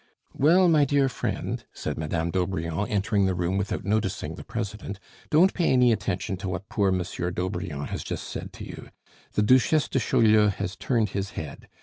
"Well, my dear friend," said Madame d'Aubrion, entering the room without noticing the president, "don't pay any attention to what poor Monsieur d'Aubrion has just said to you; the Duchesse de Chaulieu has turned his head.